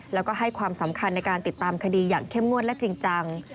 แล้วก็ให้ความสำคัญในการติดตามคดีอย่างเข้มงวดและจริงจัง